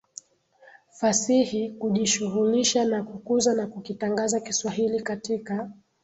fasihi Kujishughulisha na kukuza na kukitangaza Kiswahili katika